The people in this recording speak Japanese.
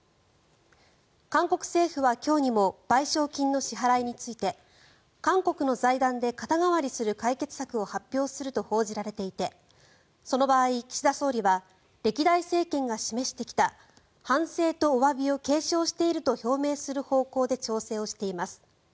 韓国政府は今日にも賠償金の支払いについて韓国の財団で肩代わりする解決策を発表すると報じられていてその場合、岸田総理は歴代政権が示してきた反省とおわびを継承していると表明する方向で調整しています。